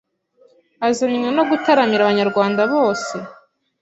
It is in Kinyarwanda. azanywe no gutaramira abanyarwanda bose